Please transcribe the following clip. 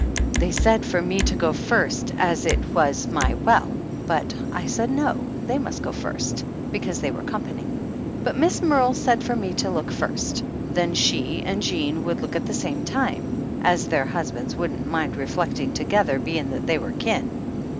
They said for me to go first as it was my well, but I said no, they must go first, because they were com pany, but Miss Merle said for me to look first, then she and Jean would look at the same time, as their husbands wouldn't mind reflecting to gether, being that they were kin.